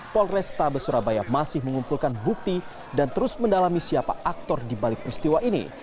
polresta besurabaya masih mengumpulkan bukti dan terus mendalami siapa aktor dibalik peristiwa ini